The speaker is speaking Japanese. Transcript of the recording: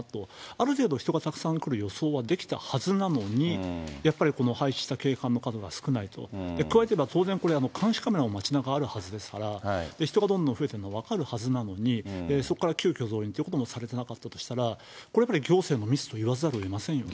ある程度、人がたくさん来る予想はできたはずなのに、やっぱりこの配置した警官の数が少ないと、加えていえば、当然これは監視カメラも街なかあるはずですから、人がどんどん増えてくるのが分かるはずなのに、そこから急きょ増員ということもされてなかったとしたら、これやっぱり、行政のミスと言わざるをえませんよね。